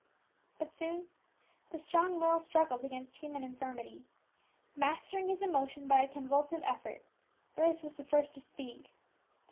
But soon the strong will struggled against human infirmity. Mastering his emotion by a convulsive effort, Bruce was the first to speak.